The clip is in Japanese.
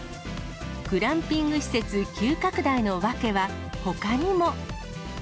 グランピング施設急拡大の訳はほかにも。